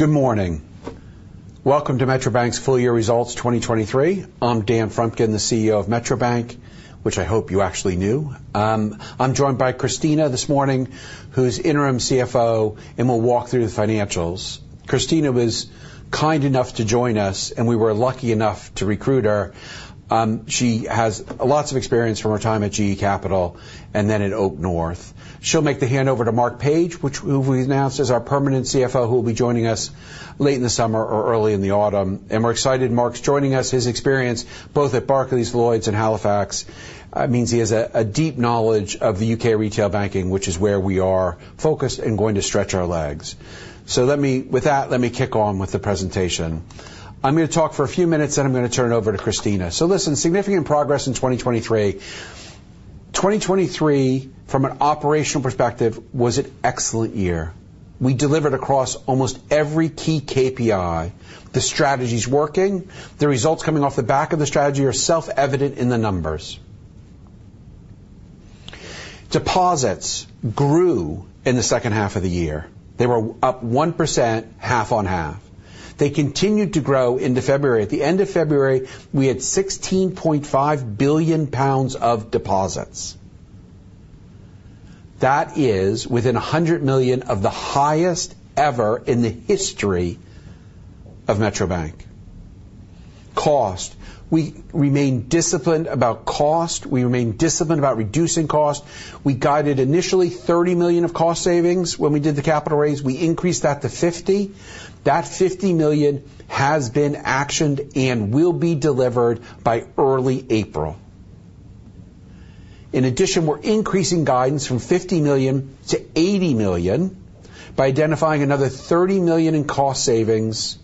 Good morning. Welcome to Metro Bank's full year results 2023. I'm Dan Frumkin, the CEO of Metro Bank, which I hope you actually knew. I'm joined by Cristina this morning, who's Interim CFO, and we'll walk through the financials. Cristina was kind enough to join us, and we were lucky enough to recruit her. She has lots of experience from her time at GE Capital and then at OakNorth. She'll make the handover to Marc Page, who we announced as our permanent CFO, who will be joining us late in the summer or early in the autumn. We're excited Marc's joining us. His experience both at Barclays, Lloyds, and Halifax means he has a deep knowledge of the U.K. retail banking, which is where we are focused and going to stretch our legs. With that, let me kick on with the presentation. I'm going to talk for a few minutes, then I'm going to turn it over to Cristina. So listen, significant progress in 2023. 2023, from an operational perspective, was an excellent year. We delivered across almost every key KPI. The strategy's working. The results coming off the back of the strategy are self-evident in the numbers. Deposits grew in the second half of the year. They were up 1% half on half. They continued to grow into February. At the end of February, we had 16.5 billion pounds of deposits. That is within 100 million of the highest ever in the history of Metro Bank. Cost. We remain disciplined about cost. We remain disciplined about reducing cost. We guided initially 30 million of cost savings when we did the capital raise. We increased that to 50 million. That 50 million has been actioned and will be delivered by early April. In addition, we're increasing guidance from 50 million-80 million by identifying another 30 million in cost savings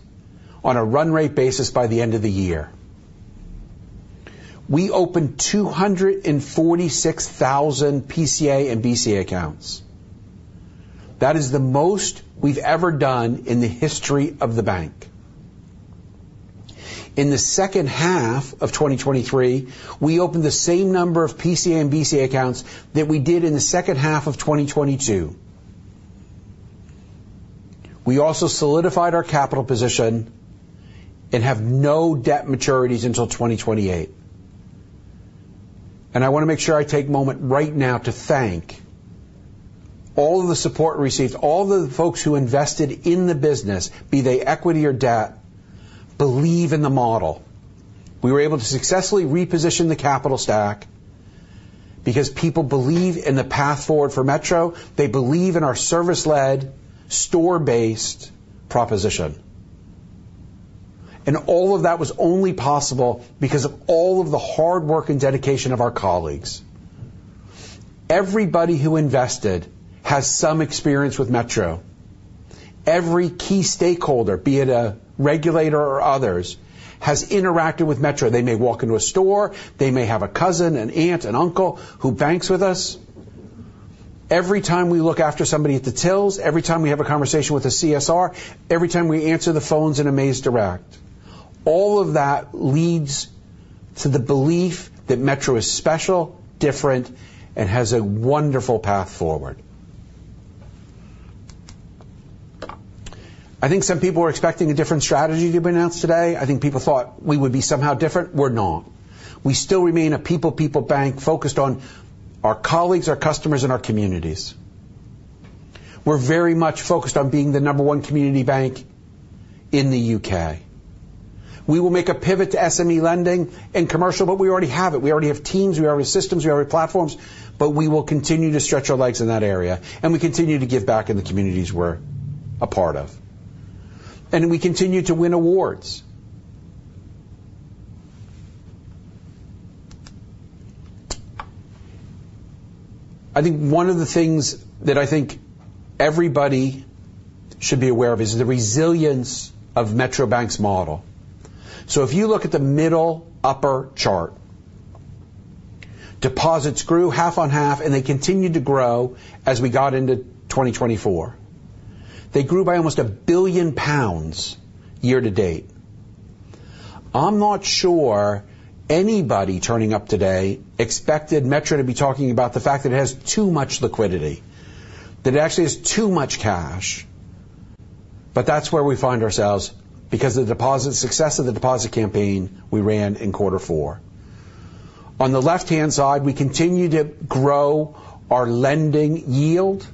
on a run rate basis by the end of the year. We opened 246,000 PCA and BCA accounts. That is the most we've ever done in the history of the bank. In the second half of 2023, we opened the same number of PCA and BCA accounts that we did in the second half of 2022. We also solidified our capital position and have no debt maturities until 2028. And I want to make sure I take a moment right now to thank all of the support received, all of the folks who invested in the business, be they equity or debt, believe in the model. We were able to successfully reposition the capital stack because people believe in the path forward for Metro. They believe in our service-led, store-based proposition. All of that was only possible because of all of the hard work and dedication of our colleagues. Everybody who invested has some experience with Metro. Every key stakeholder, be it a regulator or others, has interacted with Metro. They may walk into a store. They may have a cousin, an aunt, an uncle who banks with us. Every time we look after somebody at the tills, every time we have a conversation with a CSR, every time we answer the phones in a Metro Direct, all of that leads to the belief that Metro is special, different, and has a wonderful path forward. I think some people were expecting a different strategy to be announced today. I think people thought we would be somehow different. We're not. We still remain a people-people bank focused on our colleagues, our customers, and our communities. We're very much focused on being the number one community bank in the U.K. We will make a pivot to SME lending and commercial, but we already have it. We already have teams. We already have systems. We already have platforms. But we will continue to stretch our legs in that area, and we continue to give back in the communities we're a part of. And we continue to win awards. I think one of the things that I think everybody should be aware of is the resilience of Metro Bank's model. So if you look at the middle upper chart, deposits grew half on half, and they continued to grow as we got into 2024. They grew by almost 1 billion pounds year to date. I'm not sure anybody turning up today expected Metro to be talking about the fact that it has too much liquidity, that it actually has too much cash. But that's where we find ourselves because of the success of the deposit campaign we ran in quarter four. On the left-hand side, we continue to grow our lending yield,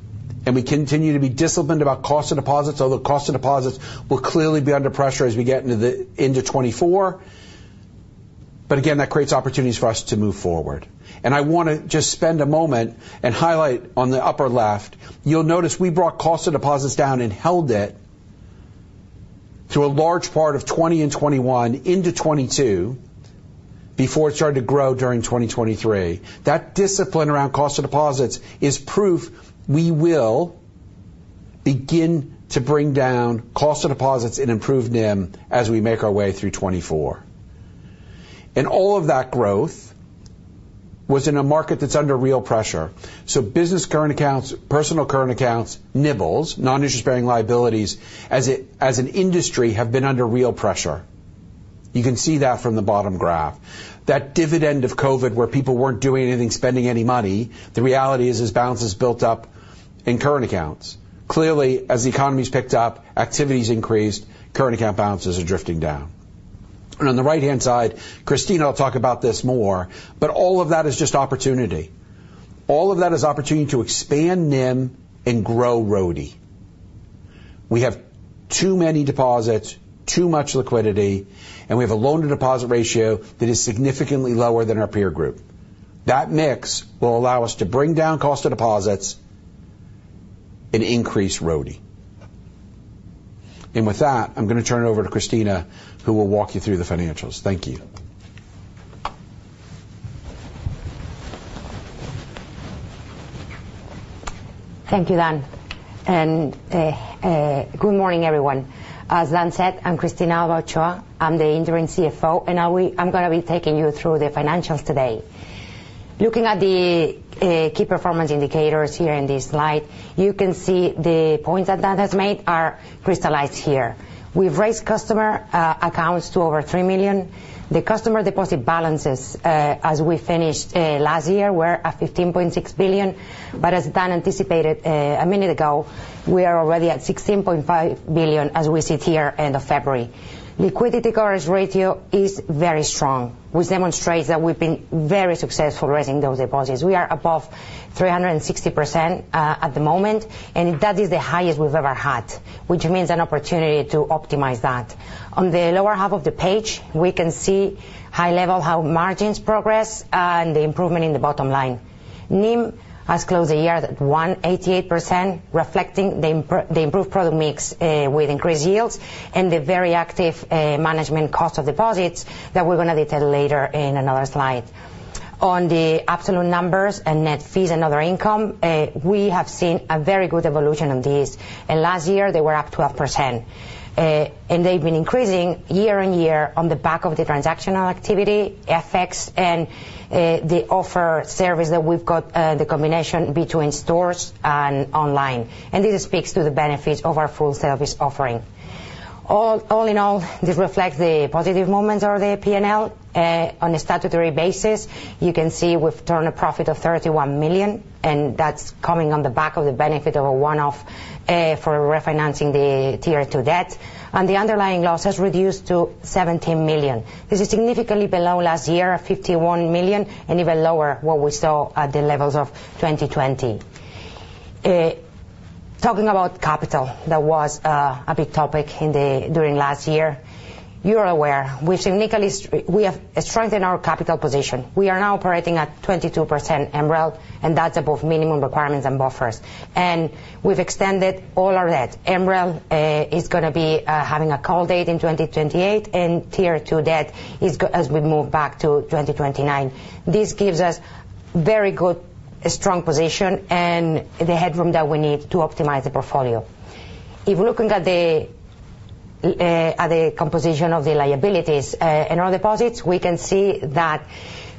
and we continue to be disciplined about cost of deposits, although cost of deposits will clearly be under pressure as we get into 2024. But again, that creates opportunities for us to move forward. And I want to just spend a moment and highlight on the upper left. You'll notice we brought cost of deposits down and held it through a large part of 2020 and 2021 into 2022 before it started to grow during 2023. That discipline around cost of deposits is proof we will begin to bring down cost of deposits and improve NIM as we make our way through 2024. And all of that growth was in a market that's under real pressure. So business current accounts, personal current accounts, NIBLs, non-interest-bearing liabilities, as an industry have been under real pressure. You can see that from the bottom graph. That dividend of COVID where people weren't doing anything, spending any money, the reality is as balances built up in current accounts, clearly as the economy's picked up, activities increased, current account balances are drifting down. And on the right-hand side, Cristina, I'll talk about this more, but all of that is just opportunity. All of that is opportunity to expand NIM and grow RODI. We have too many deposits, too much liquidity, and we have a loan-to-deposit ratio that is significantly lower than our peer group. That mix will allow us to bring down cost of deposits and increase RODI. With that, I'm going to turn it over to Cristina, who will walk you through the financials. Thank you. Thank you, Dan. Good morning, everyone. As Dan said, I'm Cristina Ochoa. I'm the Interim CFO, and I'm going to be taking you through the financials today. Looking at the key performance indicators here in this slide, you can see the points that Dan has made are crystallized here. We've raised customer accounts to over 3 million. The customer deposit balances as we finished last year were at 15.6 billion. But as Dan anticipated a minute ago, we are already at 16.5 billion as we sit here end of February. Liquidity coverage ratio is very strong, which demonstrates that we've been very successful raising those deposits. We are above 360% at the moment, and that is the highest we've ever had, which means an opportunity to optimize that. On the lower half of the page, we can see high-level how margins progress and the improvement in the bottom line. NIM has closed the year at 188%, reflecting the improved product mix with increased yields and the very active management cost of deposits that we're going to detail later in another slide. On the absolute numbers and net fees and other income, we have seen a very good evolution on these. Last year, they were up 12%, and they've been increasing year-over-year on the back of the transactional activity, FX, and the offer service that we've got, the combination between stores and online. This speaks to the benefits of our full-service offering. All in all, this reflects the positive moments of the P&L. On a statutory basis, you can see we've turned a profit of 31 million, and that's coming on the back of the benefit of a one-off for refinancing the Tier 2 debt. The underlying loss has reduced to 17 million. This is significantly below last year at 51 million and even lower what we saw at the levels of 2020. Talking about capital, that was a big topic during last year. You're aware, we have strengthened our capital position. We are now operating at 22% MREL, and that's above minimum requirements and buffers. And we've extended all our debt. MREL is going to be having a call date in 2028, and Tier 2 debt is as we move back to 2029. This gives us very good, strong position and the headroom that we need to optimize the portfolio. If looking at the composition of the liabilities and our deposits, we can see that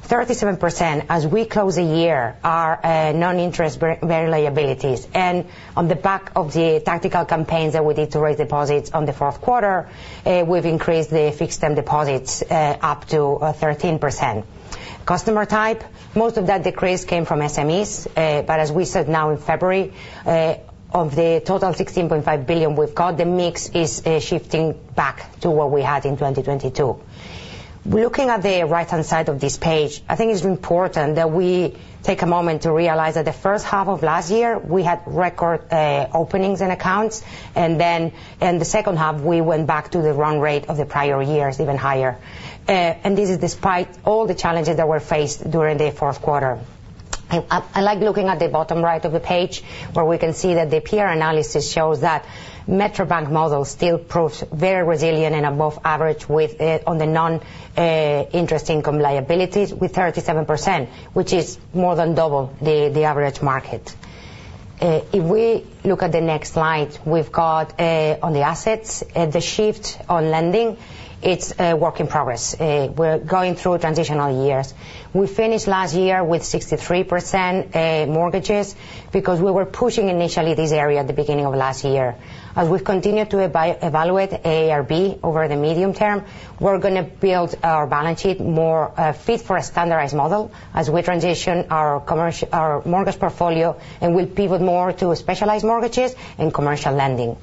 37% as we close the year are non-interest-bearing liabilities. And on the back of the tactical campaigns that we did to raise deposits on the fourth quarter, we've increased the fixed-term deposits up to 13%. Customer type, most of that decrease came from SMEs. But as we said now in February, of the total 16.5 billion we've got, the mix is shifting back to what we had in 2022. Looking at the right-hand side of this page, I think it's important that we take a moment to realize that the first half of last year, we had record openings in accounts. And then in the second half, we went back to the run rate of the prior years, even higher. And this is despite all the challenges that were faced during the fourth quarter. I like looking at the bottom right of the page where we can see that the peer analysis shows that Metro Bank model still proves very resilient and above average on the non-interest-bearing liabilities with 37%, which is more than double the average market. If we look at the next slide, we've got on the assets, the shift on lending, it's work in progress. We're going through transitional years. We finished last year with 63% mortgages because we were pushing initially this area at the beginning of last year. As we continue to evaluate AIRB over the medium term, we're going to build our balance sheet more fit for a standardized model as we transition our mortgage portfolio and will pivot more to specialized mortgages and commercial lending.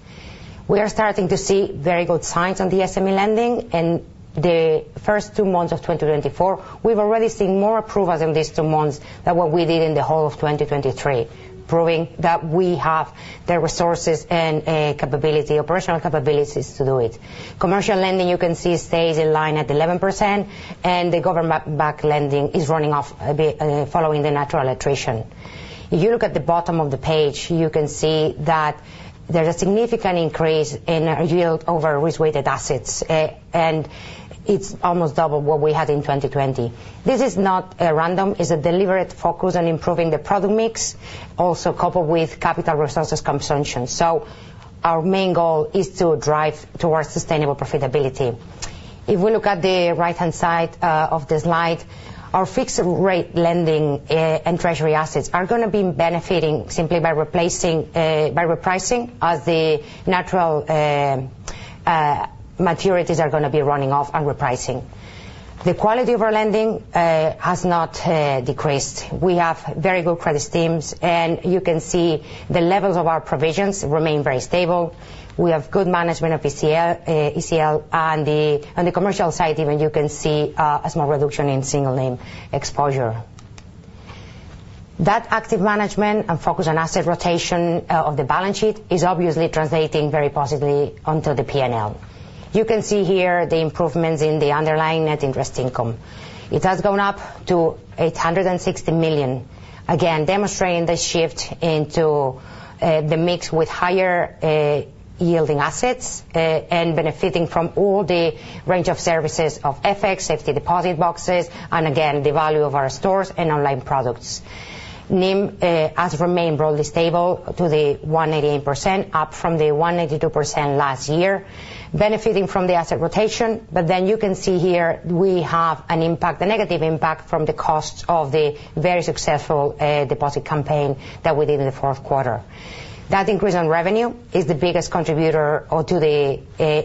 We are starting to see very good signs on the SME lending. The first two months of 2024, we've already seen more approvals in these two months than what we did in the whole of 2023, proving that we have the resources and operational capabilities to do it. Commercial lending, you can see, stays in line at 11%, and the government-backed lending is running off following the natural attrition. If you look at the bottom of the page, you can see that there's a significant increase in yield over risk-weighted assets, and it's almost double what we had in 2020. This is not random. It's a deliberate focus on improving the product mix, also coupled with capital resources consumption. So our main goal is to drive towards sustainable profitability. If we look at the right-hand side of the slide, our fixed-rate lending and treasury assets are going to be benefiting simply by repricing as the natural maturities are going to be running off and repricing. The quality of our lending has not decreased. We have very good credit streams, and you can see the levels of our provisions remain very stable. We have good management of ECL. On the commercial side, even, you can see a small reduction in single-name exposure. That active management and focus on asset rotation of the balance sheet is obviously translating very positively onto the P&L. You can see here the improvements in the underlying net interest income. It has gone up to 860 million, again demonstrating the shift into the mix with higher-yielding assets and benefiting from all the range of services of FX, safety deposit boxes, and again, the value of our stores and online products. NIM has remained broadly stable to the 188%, up from the 182% last year, benefiting from the asset rotation. But then you can see here we have a negative impact from the costs of the very successful deposit campaign that we did in the fourth quarter. That increase in revenue is the biggest contributor to the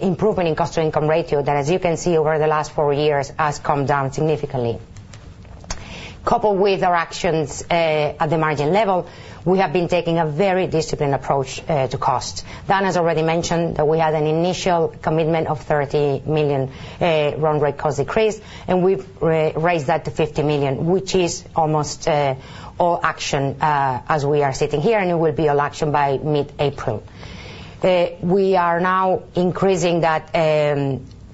improvement in cost-to-income ratio that, as you can see, over the last four years has come down significantly. Coupled with our actions at the margin level, we have been taking a very disciplined approach to cost. Dan has already mentioned that we had an initial commitment of 30 million run rate cost decrease, and we've raised that to 50 million, which is almost all action as we are sitting here, and it will be all action by mid-April. We are now increasing that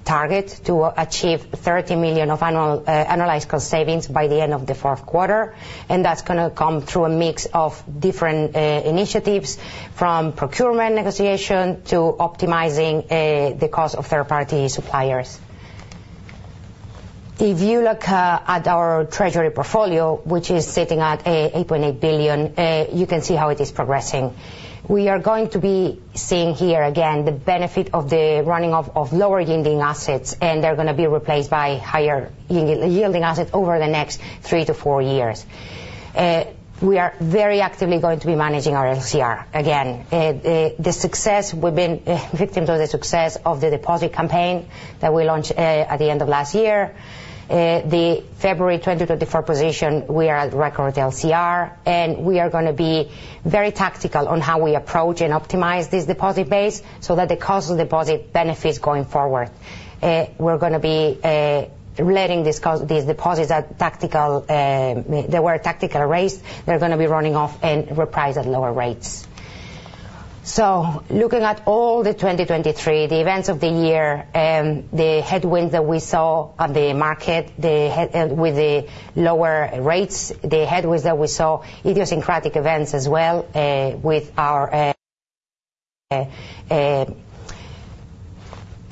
target to achieve 30 million of annualized cost savings by the end of the fourth quarter. That's going to come through a mix of different initiatives, from procurement negotiation to optimizing the cost of third-party suppliers. If you look at our treasury portfolio, which is sitting at 8.8 billion, you can see how it is progressing. We are going to be seeing here again the benefit of the running off of lower-yielding assets, and they're going to be replaced by higher-yielding assets over the next three to four years. We are very actively going to be managing our LCR. Again, we've been victims of the success of the deposit campaign that we launched at the end of last year. The February 2024 position, we are at record LCR, and we are going to be very tactical on how we approach and optimize this deposit base so that the cost of deposit benefits going forward. We're going to be letting these deposits that were tactically raised, they're going to be running off and reprised at lower rates. So looking at all the 2023, the events of the year, the headwinds that we saw on the market with the lower rates, the headwinds that we saw, idiosyncratic events as well with our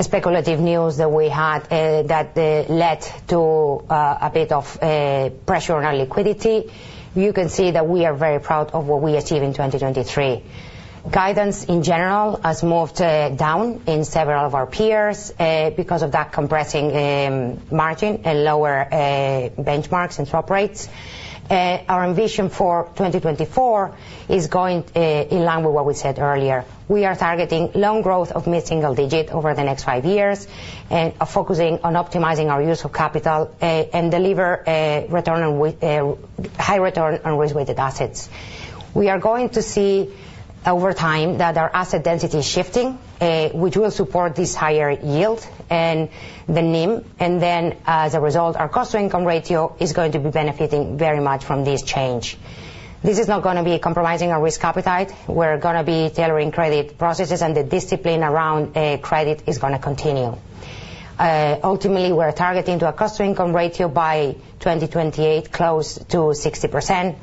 speculative news that we had that led to a bit of pressure on our liquidity, you can see that we are very proud of what we achieved in 2023. Guidance, in general, has moved down in several of our peers because of that compressing margin and lower benchmarks and swap rates. Our ambition for 2024 is going in line with what we said earlier. We are targeting loan growth of mid-single digit over the next five years and focusing on optimizing our use of capital and delivering high return on risk-weighted assets. We are going to see over time that our asset density is shifting, which will support this higher yield and the NIM. And then, as a result, our cost to income ratio is going to be benefiting very much from this change. This is not going to be compromising our risk appetite. We're going to be tailoring credit processes, and the discipline around credit is going to continue. Ultimately, we're targeting a cost to income ratio by 2028 close to 60%.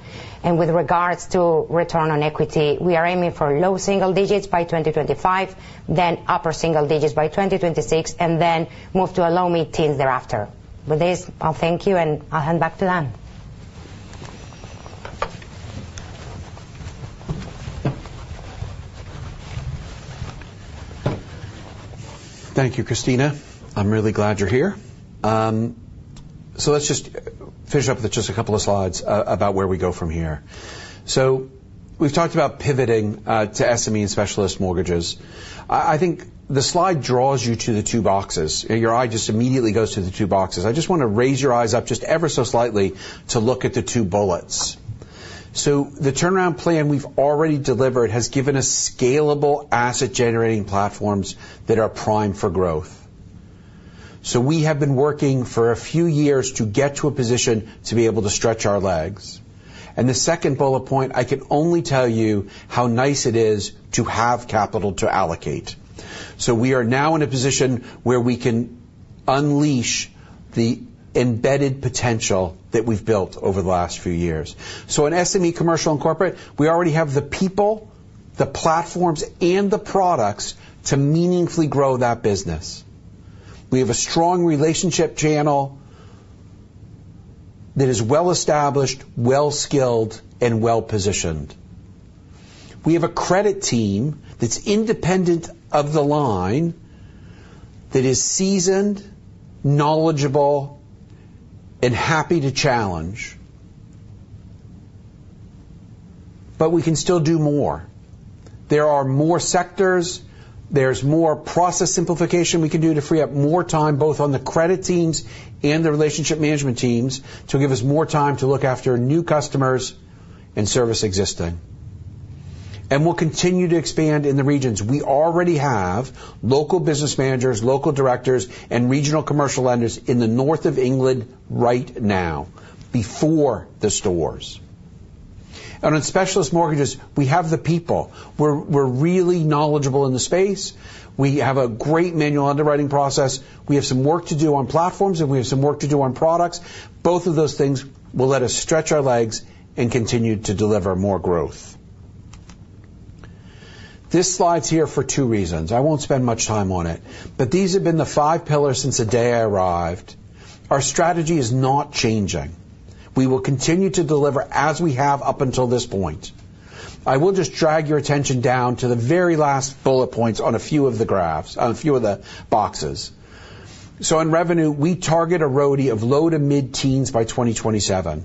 And with regards to return on equity, we are aiming for low single digits by 2025, then upper single digits by 2026, and then move to a low mid-teens thereafter. With this, I'll thank you, and I'll hand back to Dan. Thank you, Cristina. I'm really glad you're here. So let's just finish up with just a couple of slides about where we go from here. So we've talked about pivoting to SME and specialist mortgages. I think the slide draws you to the two boxes. Your eye just immediately goes to the two boxes. I just want to raise your eyes up just ever so slightly to look at the two bullets. So the turnaround plan we've already delivered has given us scalable asset-generating platforms that are primed for growth. So we have been working for a few years to get to a position to be able to stretch our legs. And the second bullet point, I can only tell you how nice it is to have capital to allocate. So we are now in a position where we can unleash the embedded potential that we've built over the last few years. So in SME, commercial, and corporate, we already have the people, the platforms, and the products to meaningfully grow that business. We have a strong relationship channel that is well-established, well-skilled, and well-positioned. We have a credit team that's independent of the line, that is seasoned, knowledgeable, and happy to challenge. But we can still do more. There are more sectors. There's more process simplification we can do to free up more time, both on the credit teams and the relationship management teams, to give us more time to look after new customers and service existing. And we'll continue to expand in the regions. We already have local business managers, local directors, and regional commercial lenders in the north of England right now before the stores. In specialist mortgages, we have the people. We're really knowledgeable in the space. We have a great manual underwriting process. We have some work to do on platforms, and we have some work to do on products. Both of those things will let us stretch our legs and continue to deliver more growth. This slide's here for two reasons. I won't spend much time on it. These have been the 5 pillars since the day I arrived. Our strategy is not changing. We will continue to deliver as we have up until this point. I will just drag your attention down to the very last bullet points on a few of the graphs, on a few of the boxes. In revenue, we target a RODI of low to mid-teens by 2027.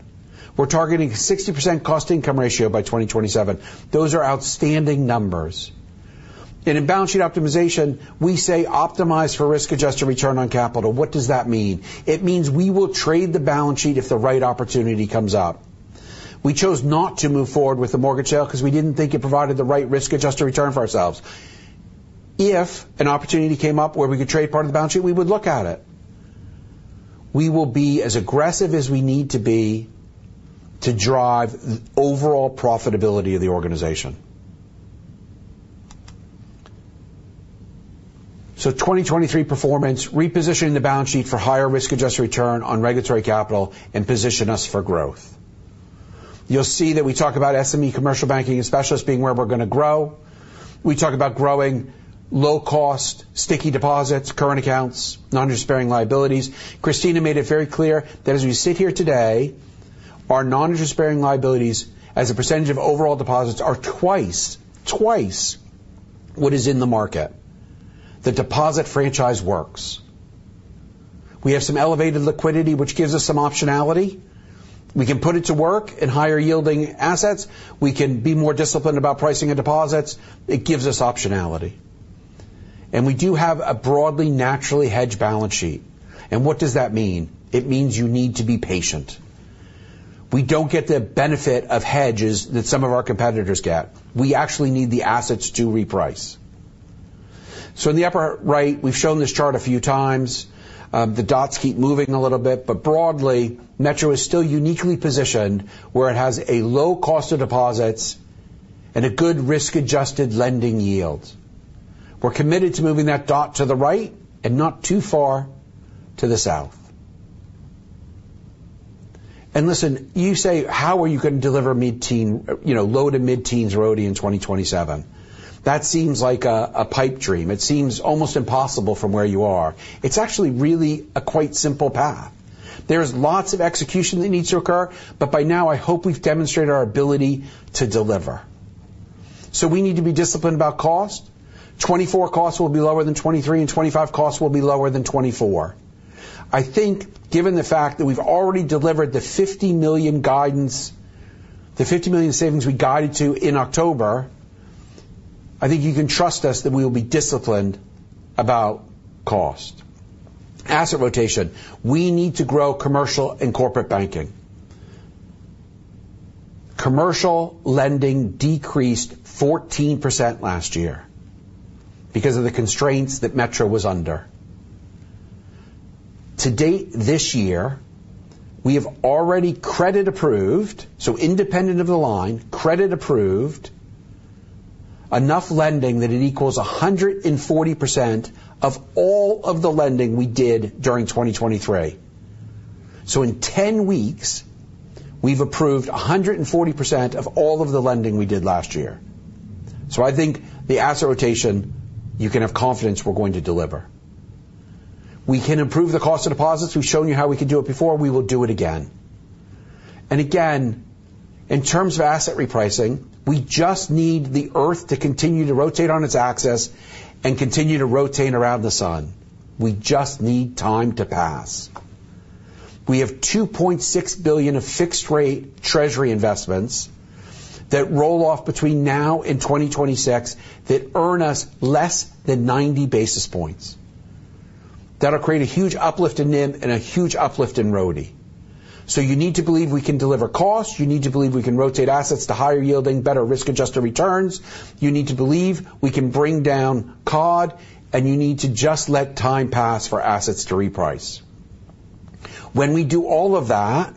We're targeting a 60% cost to income ratio by 2027. Those are outstanding numbers. In balance sheet optimization, we say optimize for risk-adjusted return on capital. What does that mean? It means we will trade the balance sheet if the right opportunity comes up. We chose not to move forward with the mortgage sale because we didn't think it provided the right risk-adjusted return for ourselves. If an opportunity came up where we could trade part of the balance sheet, we would look at it. We will be as aggressive as we need to be to drive the overall profitability of the organization. 2023 performance, repositioning the balance sheet for higher risk-adjusted return on regulatory capital and position us for growth. You'll see that we talk about SME, commercial banking, and specialists being where we're going to grow. We talk about growing low-cost, sticky deposits, current accounts, non-interest-bearing liabilities. Cristina made it very clear that as we sit here today, our non-interest-bearing liabilities as a percentage of overall deposits are twice, twice what is in the market. The deposit franchise works. We have some elevated liquidity, which gives us some optionality. We can put it to work in higher-yielding assets. We can be more disciplined about pricing our deposits. It gives us optionality. And we do have a broadly, naturally hedged balance sheet. And what does that mean? It means you need to be patient. We don't get the benefit of hedges that some of our competitors get. We actually need the assets to reprice. So in the upper right, we've shown this chart a few times. The dots keep moving a little bit. But broadly, Metro is still uniquely positioned where it has a low cost of deposits and a good risk-adjusted lending yield. We're committed to moving that dot to the right and not too far to the south. And listen, you say, "How are you going to deliver low- to mid-teens RODI in 2027?" That seems like a pipe dream. It seems almost impossible from where you are. It's actually really a quite simple path. There's lots of execution that needs to occur, but by now, I hope we've demonstrated our ability to deliver. So we need to be disciplined about cost. 2024 costs will be lower than 2023, and 2025 costs will be lower than 2024. I think given the fact that we've already delivered the 50 million guidance, the 50 million savings we guided to in October, I think you can trust us that we will be disciplined about cost. Asset rotation, we need to grow commercial and corporate banking. Commercial lending decreased 14% last year because of the constraints that Metro was under. To date this year, we have already credit-approved, so independent of the line, credit-approved enough lending that it equals 140% of all of the lending we did during 2023. So in 10 weeks, we've approved 140% of all of the lending we did last year. So I think the asset rotation, you can have confidence we're going to deliver. We can improve the cost of deposits. We've shown you how we could do it before. We will do it again. And again, in terms of asset repricing, we just need the Earth to continue to rotate on its axis and continue to rotate around the sun. We just need time to pass. We have 2.6 billion of fixed-rate treasury investments that roll off between now and 2026 that earn us less than 90 basis points. That'll create a huge uplift in NIM and a huge uplift in RODI. You need to believe we can deliver costs. You need to believe we can rotate assets to higher-yielding, better risk-adjusted returns. You need to believe we can bring down COD, and you need to just let time pass for assets to reprice. When we do all of that,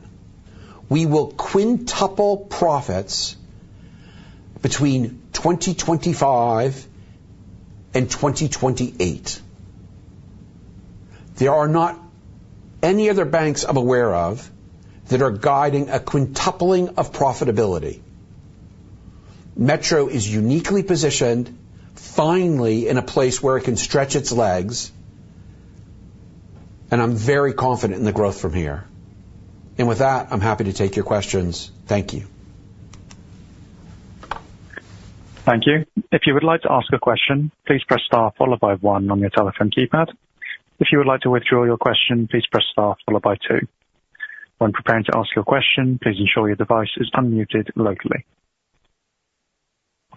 we will quintuple profits between 2025 and 2028. There are not any other banks I'm aware of that are guiding a quintupling of profitability. Metro is uniquely positioned, finally, in a place where it can stretch its legs, and I'm very confident in the growth from here. With that, I'm happy to take your questions. Thank you. Thank you. If you would like to ask a question, please press star followed by one on your telephone keypad. If you would like to withdraw your question, please press star followed by two. When preparing to ask your question, please ensure your device is unmuted locally.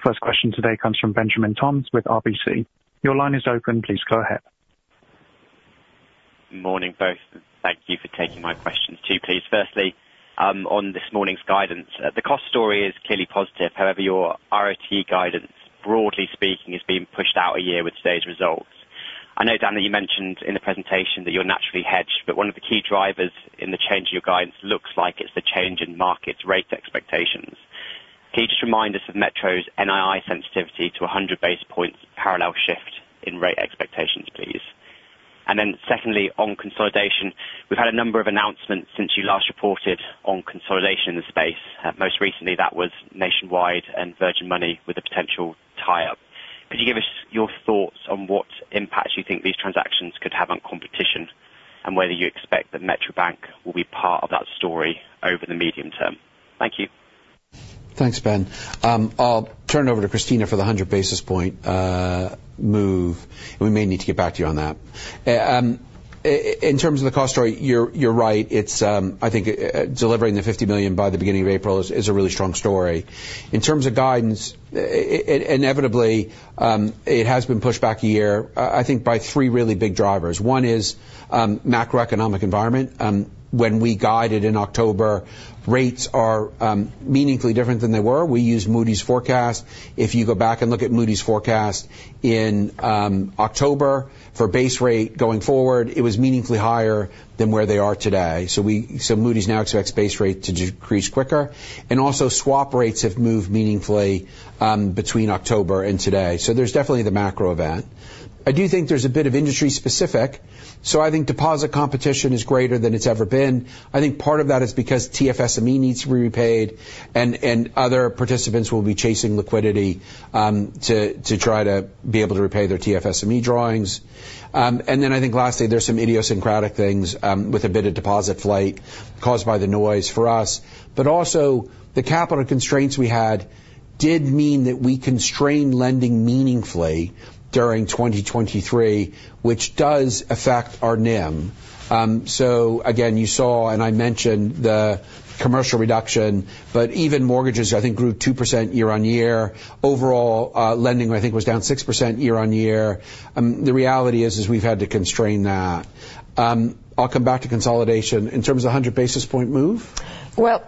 First question today comes from Benjamin Toms with RBC. Your line is open. Please go ahead. Good morning, both. And thank you for taking my questions too, please. Firstly, on this morning's guidance, the cost story is clearly positive. However, your RoTE guidance, broadly speaking, has been pushed out a year with today's results. I know, Dan, that you mentioned in the presentation that you're naturally hedged, but one of the key drivers in the change in your guidance looks like it's the change in markets rate expectations. Can you just remind us of Metro's NII sensitivity to 100 basis points parallel shift in rate expectations, please? And then secondly, on consolidation, we've had a number of announcements since you last reported on consolidation in the space. Most recently, that was Nationwide and Virgin Money with a potential tie-up. Could you give us your thoughts on what impacts you think these transactions could have on competition and whether you expect that Metro Bank will be part of that story over the medium term? Thank you. Thanks, Ben. I'll turn it over to Cristina for the 100 basis point move. We may need to get back to you on that. In terms of the cost story, you're right. I think delivering the 50 million by the beginning of April is a really strong story. In terms of guidance, inevitably, it has been pushed back a year, I think, by three really big drivers. One is macroeconomic environment. When we guided in October, rates are meaningfully different than they were. We used Moody's forecast. If you go back and look at Moody's forecast in October for base rate going forward, it was meaningfully higher than where they are today. So Moody's now expects base rate to decrease quicker. Also, swap rates have moved meaningfully between October and today. So there's definitely the macro event. I do think there's a bit of industry-specific. So I think deposit competition is greater than it's ever been. I think part of that is because TFSME needs to be repaid, and other participants will be chasing liquidity to try to be able to repay their TFSME drawings. And then I think lastly, there's some idiosyncratic things with a bit of deposit flight caused by the noise for us. But also, the capital constraints we had did mean that we constrained lending meaningfully during 2023, which does affect our NIM. So again, you saw, and I mentioned, the commercial reduction, but even mortgages, I think, grew 2% year-over-year. Overall lending, I think, was down 6% year-over-year. The reality is, we've had to constrain that. I'll come back to consolidation. In terms of 100 basis point move? Well,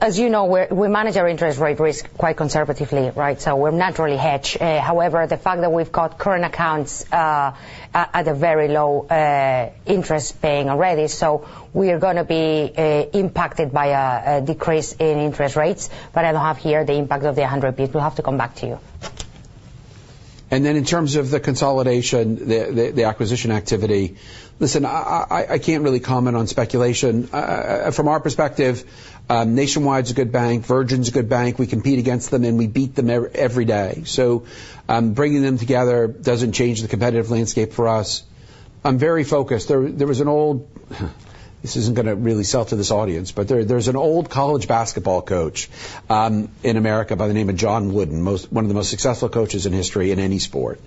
as you know, we manage our interest rate risk quite conservatively, right? So we're naturally hedged. However, the fact that we've got current accounts at a very low interest-paying already, so we are going to be impacted by a decrease in interest rates. But I don't have here the impact of the 100 basis points. We'll have to come back to you. And then in terms of the consolidation, the acquisition activity, listen, I can't really comment on speculation. From our perspective, Nationwide's a good bank. Virgin's a good bank. We compete against them, and we beat them every day. So bringing them together doesn't change the competitive landscape for us. I'm very focused. There was an old—this isn't going to really sell to this audience, but there's an old college basketball coach in America by the name of John Wooden, one of the most successful coaches in history in any sport.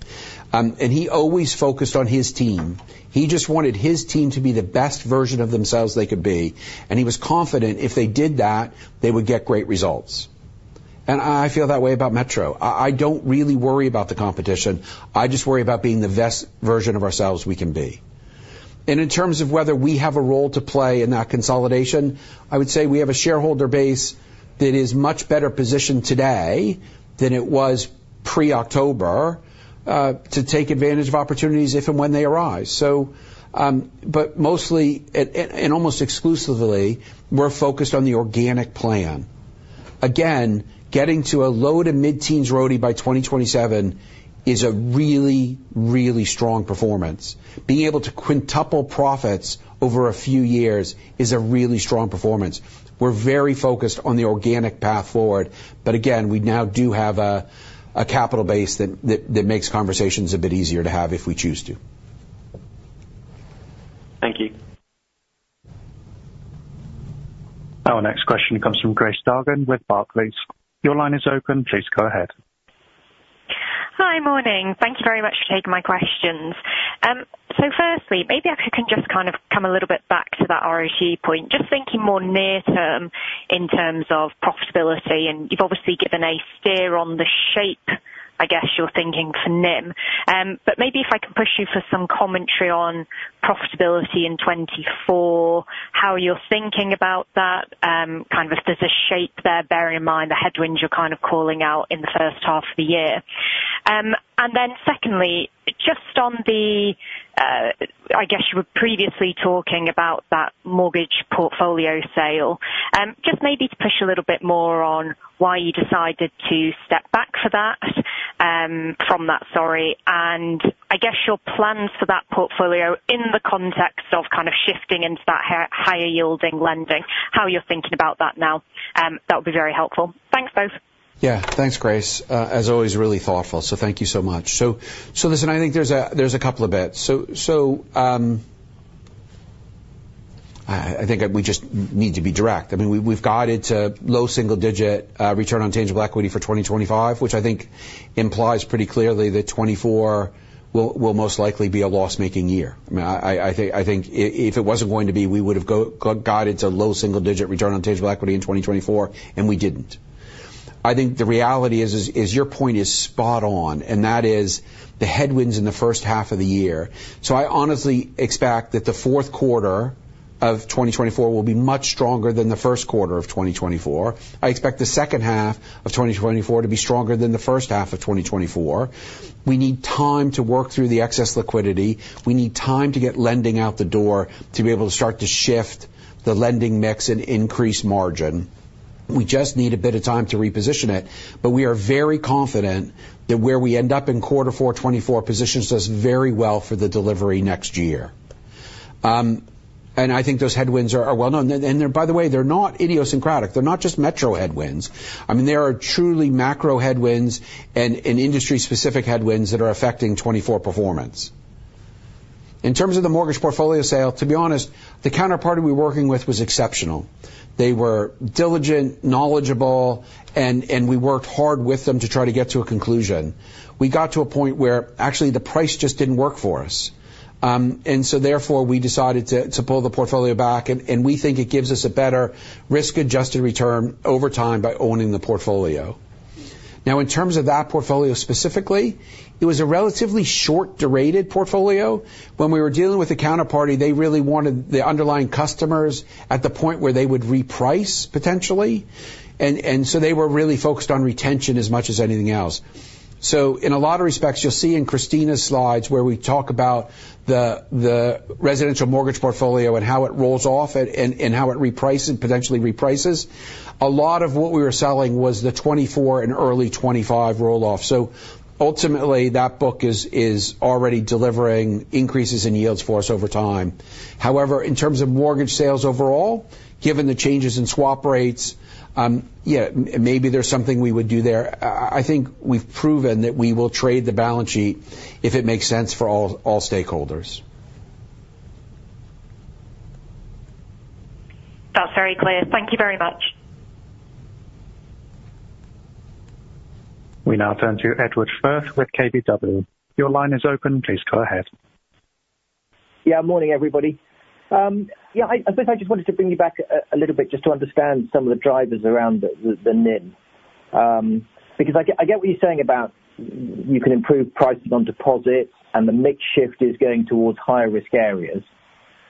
And he always focused on his team. He just wanted his team to be the best version of themselves they could be. And he was confident if they did that, they would get great results. And I feel that way about Metro. I don't really worry about the competition. I just worry about being the best version of ourselves we can be. In terms of whether we have a role to play in that consolidation, I would say we have a shareholder base that is much better positioned today than it was pre-October to take advantage of opportunities if and when they arise. But mostly and almost exclusively, we're focused on the organic plan. Again, getting to a low- to mid-teens RODI by 2027 is a really, really strong performance. Being able to quintuple profits over a few years is a really strong performance. We're very focused on the organic path forward. But again, we now do have a capital base that makes conversations a bit easier to have if we choose to. Thank you. Our next question comes from Grace Dargan with Barclays. Your line is open. Please go ahead. Hi. Morning. Thank you very much for taking my questions. So firstly, maybe if you can just kind of come a little bit back to that RoTE point, just thinking more near-term in terms of profitability. And you've obviously given a steer on the shape, I guess, you're thinking for NIM. But maybe if I can push you for some commentary on profitability in 2024, how you're thinking about that, kind of if there's a shape there, bearing in mind the headwinds you're kind of calling out in the first half of the year. And then secondly, just on the, I guess you were previously talking about that mortgage portfolio sale, just maybe to push a little bit more on why you decided to step back from that, sorry, and I guess your plans for that portfolio in the context of kind of shifting into that higher-yielding lending, how you're thinking about that now. That would be very helpful. Thanks, both. Yeah. Thanks, Grace. As always, really thoughtful. So thank you so much. So listen, I think there's a couple of bits. So I think we just need to be direct. I mean, we've guided to low single-digit return on tangible equity for 2025, which I think implies pretty clearly that 2024 will most likely be a loss-making year. I mean, I think if it wasn't going to be, we would have guided to low single-digit return on tangible equity in 2024, and we didn't. I think the reality is, is your point is spot on. And that is the headwinds in the first half of the year. So I honestly expect that the fourth quarter of 2024 will be much stronger than the first quarter of 2024. I expect the second half of 2024 to be stronger than the first half of 2024. We need time to work through the excess liquidity. We need time to get lending out the door to be able to start to shift the lending mix and increase margin. We just need a bit of time to reposition it. But we are very confident that where we end up in quarter four 2024 positions us very well for the delivery next year. I think those headwinds are well-known. By the way, they're not idiosyncratic. They're not just Metro headwinds. I mean, there are truly macro headwinds and industry-specific headwinds that are affecting 2024 performance. In terms of the mortgage portfolio sale, to be honest, the counterparty we were working with was exceptional. They were diligent, knowledgeable, and we worked hard with them to try to get to a conclusion. We got to a point where, actually, the price just didn't work for us. And so therefore, we decided to pull the portfolio back. And we think it gives us a better risk-adjusted return over time by owning the portfolio. Now, in terms of that portfolio specifically, it was a relatively short-durated portfolio. When we were dealing with the counterparty, they really wanted the underlying customers at the point where they would reprice, potentially. And so they were really focused on retention as much as anything else. So in a lot of respects, you'll see in Cristina's slides where we talk about the residential mortgage portfolio and how it rolls off and how it potentially reprices, a lot of what we were selling was the 2024 and early 2025 rolloff. So ultimately, that book is already delivering increases in yields for us over time. However, in terms of mortgage sales overall, given the changes in swap rates, yeah, maybe there's something we would do there. I think we've proven that we will trade the balance sheet if it makes sense for all stakeholders. That's very clear. Thank you very much. We now turn to Edward Firth with KBW. Your line is open. Please go ahead. Yeah. Morning, everybody. Yeah. I suppose I just wanted to bring you back a little bit just to understand some of the drivers around the NIM because I get what you're saying about you can improve pricing on deposits, and the mix shift is going towards higher-risk areas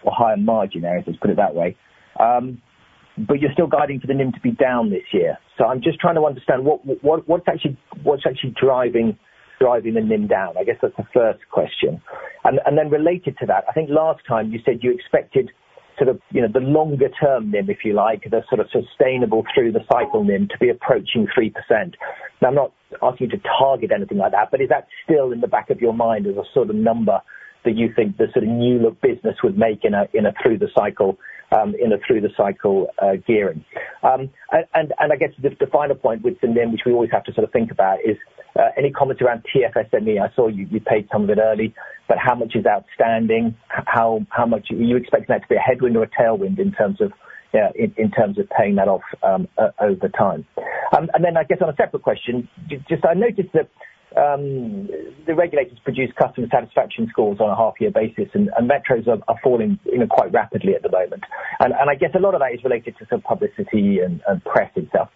or higher-margin areas, let's put it that way. But you're still guiding for the NIM to be down this year. So I'm just trying to understand what's actually driving the NIM down. I guess that's the first question. And then related to that, I think last time, you said you expected sort of the longer-term NIM, if you like, the sort of sustainable through-the-cycle NIM to be approaching 3%. Now, I'm not asking you to target anything like that, but is that still in the back of your mind as a sort of number that you think the sort of new-look business would make in a through-the-cycle gearing? And I guess the final point with the NIM, which we always have to sort of think about, is any comments around TFSME? I saw you paid some of it early. But how much is outstanding? Are you expecting that to be a headwind or a tailwind in terms of paying that off over time? And then I guess on a separate question, just I noticed that the regulators produce customer satisfaction scores on a half-year basis, and Metro's are falling quite rapidly at the moment. And I guess a lot of that is related to sort of publicity and press itself.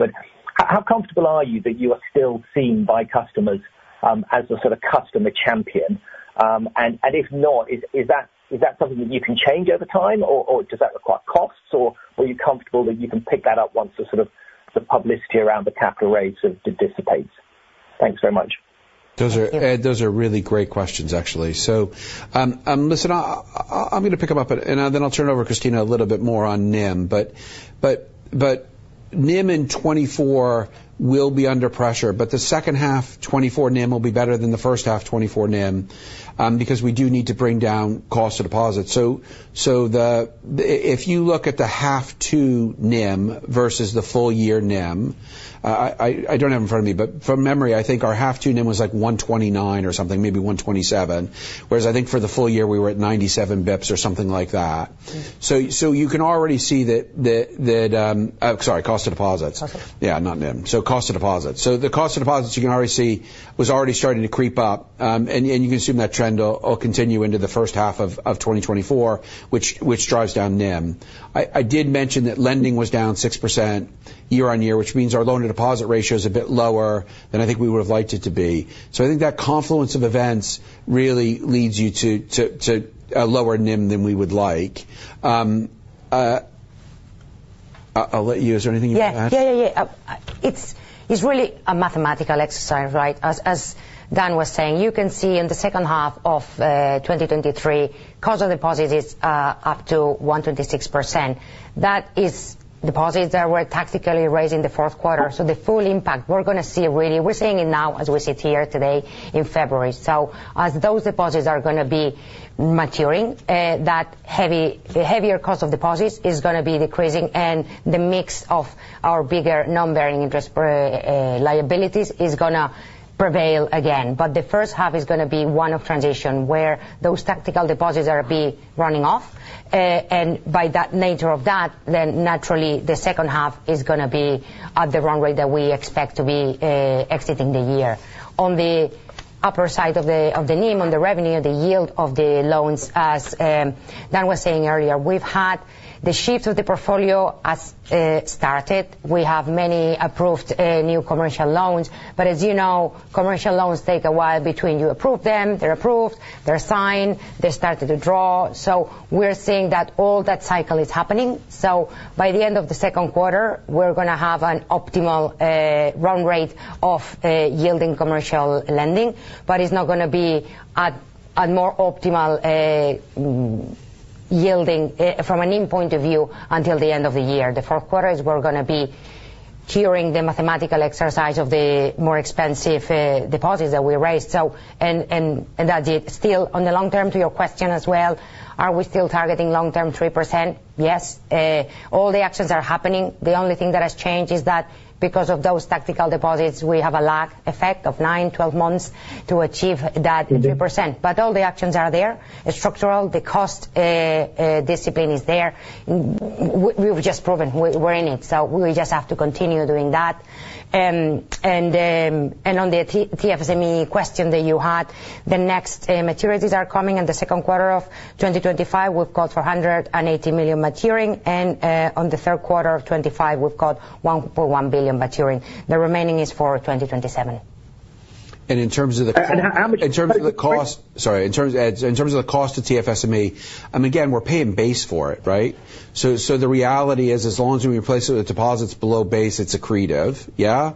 How comfortable are you that you are still seen by customers as a sort of customer champion? And if not, is that something that you can change over time, or does that require costs? Or are you comfortable that you can pick that up once the sort of publicity around the capital rates dissipates? Thanks very much. Those are really great questions, actually. So listen, I'm going to pick them up. And then I'll turn it over to Cristina a little bit more on NIM. But NIM in 2024 will be under pressure. But the second half 2024 NIM will be better than the first half 2024 NIM because we do need to bring down cost of deposit. So if you look at the half two NIM versus the full-year NIM I don't have it in front of me. But from memory, I think our half two NIM was like 129 or something, maybe 127, whereas I think for the full year, we were at 97 basis points or something like that. So you can already see that, sorry, cost of deposits. Cost of. Yeah. Not NIM. So cost of deposits. So the cost of deposits, you can already see, was already starting to creep up. And you can assume that trend will continue into the first half of 2024, which drives down NIM. I did mention that lending was down 6% year-on-year, which means our loan-to-deposit ratio is a bit lower than I think we would have liked it to be. So I think that confluence of events really leads you to a lower NIM than we would like. I'll let you is there anything you want to add? Yeah. Yeah. Yeah. Yeah. It's really a mathematical exercise, right? As Dan was saying, you can see in the second half of 2023, cost of deposits is up to 126%. That is deposits that were tactically raised in the fourth quarter. So the full impact, we're going to see it really we're seeing it now as we sit here today in February. So as those deposits are going to be maturing, that heavier cost of deposits is going to be decreasing. And the mix of our bigger non-interest-bearing liabilities is going to prevail again. But the first half is going to be one of transition where those tactical deposits are running off. And by that nature of that, then naturally, the second half is going to be at the run rate that we expect to be exiting the year. On the upper side of the NIM, on the revenue, the yield of the loans, as Dan was saying earlier, we've had the shift of the portfolio started. We have many approved new commercial loans. But as you know, commercial loans take a while between you approve them. They're approved. They're signed. They started to draw. So we're seeing that all that cycle is happening. So by the end of the second quarter, we're going to have an optimal run rate of yielding commercial lending. But it's not going to be at more optimal yielding from a NIM point of view until the end of the year. The fourth quarter is we're going to be curing the mathematical exercise of the more expensive deposits that we raised. And that's it. Still, on the long term, to your question as well, are we still targeting long-term 3%? Yes. All the actions are happening. The only thing that has changed is that because of those tactical deposits, we have a lag effect of 9-12 months to achieve that 3%. But all the actions are there, structural. The cost discipline is there. We've just proven. We're in it. So we just have to continue doing that. And on the TFSME question that you had, the next maturities are coming. In the second quarter of 2025, we've got 480 million maturing. And on the third quarter of 2025, we've got 1.1 billion maturing. The remaining is for 2027. In terms of the cost. How much? In terms of the cost to TFSME, I mean, again, we're paying base for it, right? So the reality is, as long as we replace it with deposits below base, it's accretive, yeah?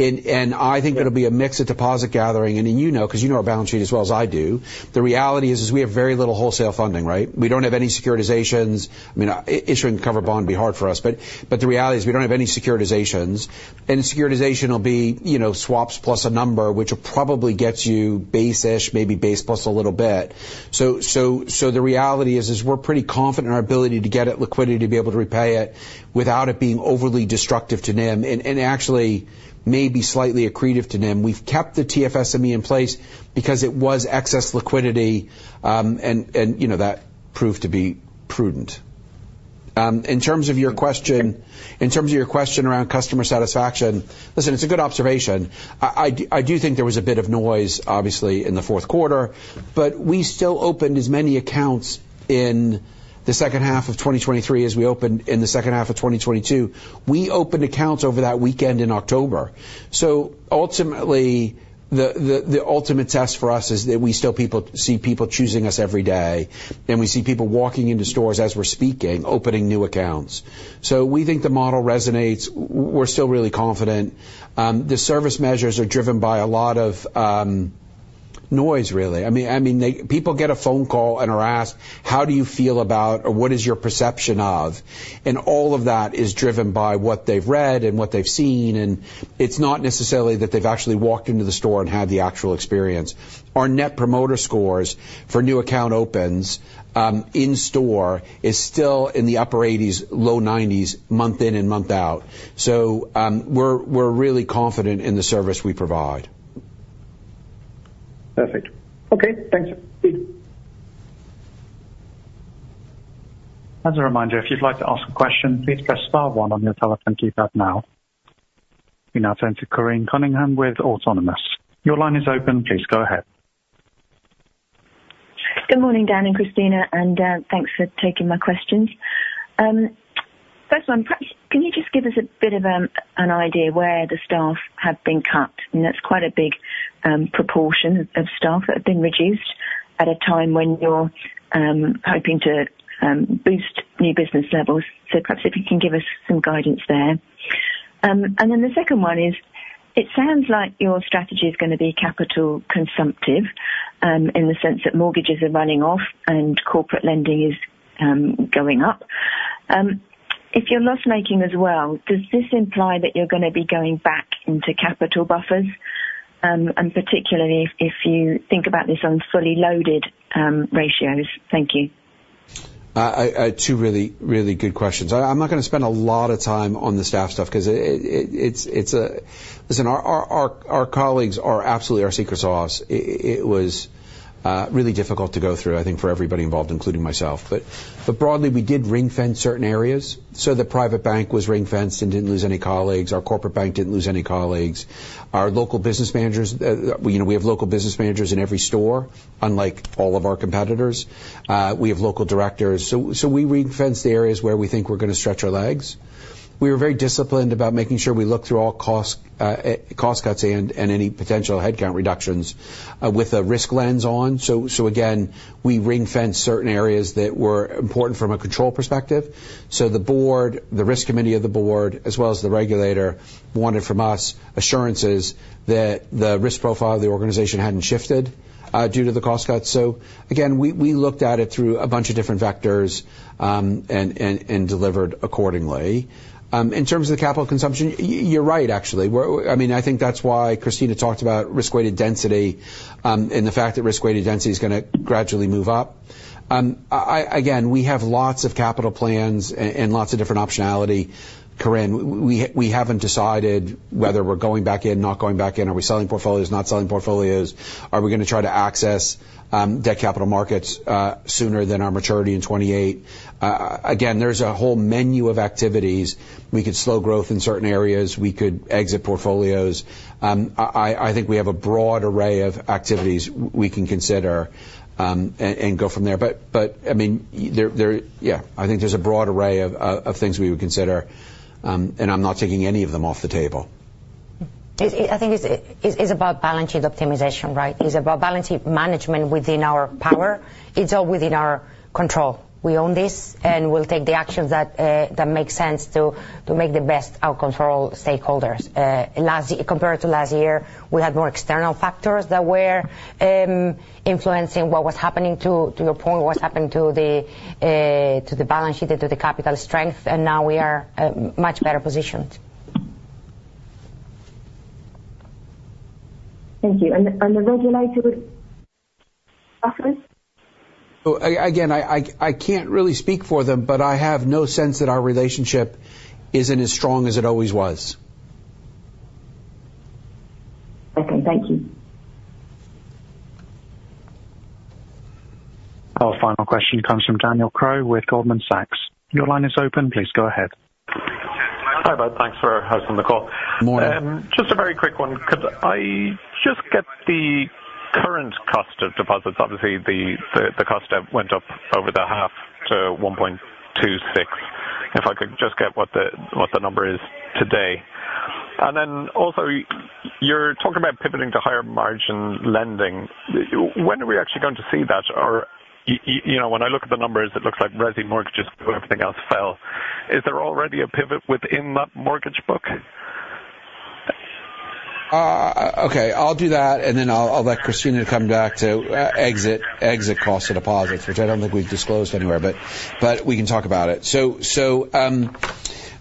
And I think it'll be a mix of deposit gathering. And then you know because you know our balance sheet as well as I do, the reality is we have very little wholesale funding, right? We don't have any securitizations. I mean, issuing covered bond would be hard for us. But the reality is, we don't have any securitizations. And securitization will be swaps plus a number, which will probably get you base-ish, maybe base plus a little bit. So the reality is, we're pretty confident in our ability to get it liquidity, to be able to repay it without it being overly destructive to NIM and actually maybe slightly accretive to NIM. We've kept the TFSME in place because it was excess liquidity. That proved to be prudent. In terms of your question around customer satisfaction, listen, it's a good observation. I do think there was a bit of noise, obviously, in the fourth quarter. We still opened as many accounts in the second half of 2023 as we opened in the second half of 2022. We opened accounts over that weekend in October. Ultimately, the ultimate test for us is that we still see people choosing us every day. We see people walking into stores as we're speaking, opening new accounts. We think the model resonates. We're still really confident. The service measures are driven by a lot of noise, really. I mean, people get a phone call and are asked, "How do you feel about or what is your perception of?" And all of that is driven by what they've read and what they've seen. And it's not necessarily that they've actually walked into the store and had the actual experience. Our net promoter scores for new account opens in store is still in the upper 80s, low 90s, month in and month out. So we're really confident in the service we provide. Perfect. Okay. Thanks. As a reminder, if you'd like to ask a question, please press star one on your telephone keypad now. We now turn to Corinne Cunningham with Autonomous. Your line is open. Please go ahead. Good morning, Dan and Cristina. Thanks for taking my questions. First one, perhaps can you just give us a bit of an idea where the staff have been cut? I mean, that's quite a big proportion of staff that have been reduced at a time when you're hoping to boost new business levels. Perhaps if you can give us some guidance there. Then the second one is, it sounds like your strategy is going to be capital-consumptive in the sense that mortgages are running off and corporate lending is going up. If you're loss-making as well, does this imply that you're going to be going back into capital buffers, and particularly if you think about this on fully loaded ratios? Thank you. Two really, really good questions. I'm not going to spend a lot of time on the staff stuff because it's a listen, our colleagues are absolutely our secret sauce. It was really difficult to go through, I think, for everybody involved, including myself. But broadly, we did ring-fence certain areas. So the private bank was ring-fenced and didn't lose any colleagues. Our corporate bank didn't lose any colleagues. Our local business managers, we have local business managers in every store, unlike all of our competitors. We have local directors. So we ring-fence the areas where we think we're going to stretch our legs. We were very disciplined about making sure we look through all cost cuts and any potential headcount reductions with a risk lens on. So again, we ring-fence certain areas that were important from a control perspective. So the board, the risk committee of the board, as well as the regulator, wanted from us assurances that the risk profile of the organization hadn't shifted due to the cost cuts. So again, we looked at it through a bunch of different vectors and delivered accordingly. In terms of the capital consumption, you're right, actually. I mean, I think that's why Cristina talked about risk-weighted density and the fact that risk-weighted density is going to gradually move up. Again, we have lots of capital plans and lots of different optionality, Corinne. We haven't decided whether we're going back in, not going back in. Are we selling portfolios, not selling portfolios? Are we going to try to access debt capital markets sooner than our maturity in 2028? Again, there's a whole menu of activities. We could slow growth in certain areas. We could exit portfolios. I think we have a broad array of activities we can consider and go from there. But I mean, yeah, I think there's a broad array of things we would consider. And I'm not taking any of them off the table. I think it's about balance sheet optimization, right? It's about balance sheet management within our power. It's all within our control. We own this. And we'll take the actions that make sense to make the best outcome for all stakeholders. Compared to last year, we had more external factors that were influencing what was happening, to your point, what's happening to the balance sheet and to the capital strength. And now we are much better positioned. Thank you. The regulator would. Again, I can't really speak for them, but I have no sense that our relationship isn't as strong as it always was. Second. Thank you. Our final question comes from Daniel Crow with Goldman Sachs. Your line is open. Please go ahead. Hi, Dan. Thanks for hosting the call. Good morning. Just a very quick one. Could I just get the current cost of deposits? Obviously, the cost went up over the half to 1.26. If I could just get what the number is today. And then also, you're talking about pivoting to higher margin lending. When are we actually going to see that? When I look at the numbers, it looks like resi mortgages and everything else fell. Is there already a pivot within that mortgage book? Okay. I'll do that. Then I'll let Cristina come back to exit cost of deposits, which I don't think we've disclosed anywhere. We can talk about it.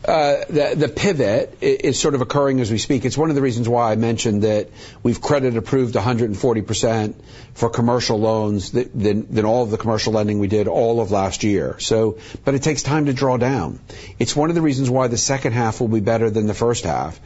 The pivot is sort of occurring as we speak. It's one of the reasons why I mentioned that we've credit-approved 140% for commercial loans than all of the commercial lending we did all of last year. It takes time to draw down. It's one of the reasons why the second half will be better than the first half.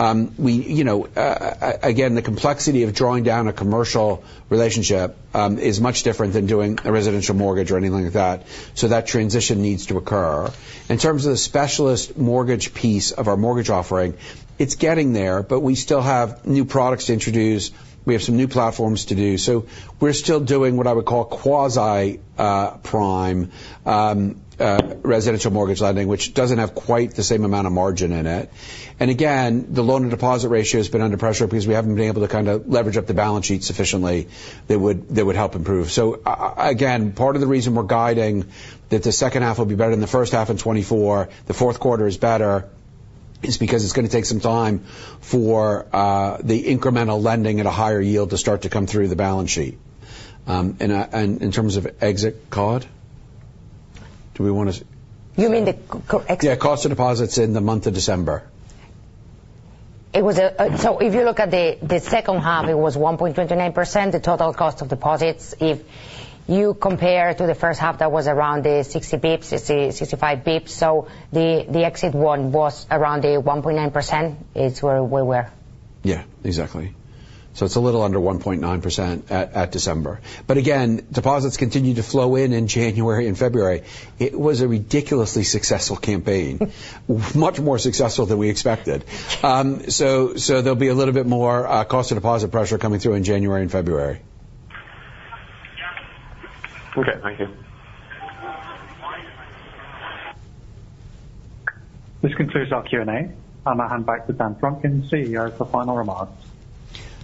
Again, the complexity of drawing down a commercial relationship is much different than doing a residential mortgage or anything like that. That transition needs to occur. In terms of the specialist mortgage piece of our mortgage offering, it's getting there. We still have new products to introduce. We have some new platforms to do. So we're still doing what I would call quasi-prime residential mortgage lending, which doesn't have quite the same amount of margin in it. And again, the loan-to-deposit ratio has been under pressure because we haven't been able to kind of leverage up the balance sheet sufficiently that would help improve. So again, part of the reason we're guiding that the second half will be better than the first half in 2024, the fourth quarter is better, is because it's going to take some time for the incremental lending at a higher yield to start to come through the balance sheet. And in terms of exit, COD, do we want to. You mean the. Yeah. Cost of deposits in the month of December. So if you look at the second half, it was 1.29%, the total cost of deposits. If you compare to the first half, that was around the 60 bps, 65 bps. So the exit one was around the 1.9% is where we were. Yeah. Exactly. So it's a little under 1.9% at December. But again, deposits continue to flow in in January and February. It was a ridiculously successful campaign, much more successful than we expected. So there'll be a little bit more cost of deposit pressure coming through in January and February. Okay. Thank you. This concludes our Q&A. I'm going to hand back to Dan Frumkin, CEO, for final remarks.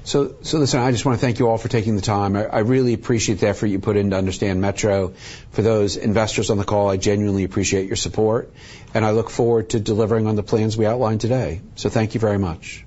So listen, I just want to thank you all for taking the time. I really appreciate the effort you put in to understand Metro. For those investors on the call, I genuinely appreciate your support. And I look forward to delivering on the plans we outlined today. So thank you very much.